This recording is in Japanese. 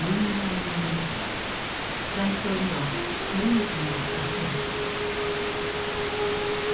街頭には浮浪児があふれた。